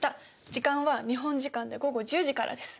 時間は日本時間で午後１０時からです。